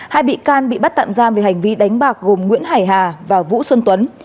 hai bị can bị bắt tạm giam về hành vi đánh bạc gồm nguyễn hải hà và vũ xuân tuấn